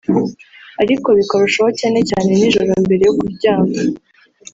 ariko bikarushaho cyane cyane nijoro mbere yo kuryama